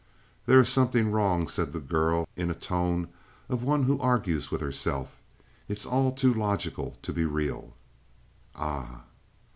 "There is something wrong," said the girl, in a tone of one who argues with herself. "It's all too logical to be real." "Ah?"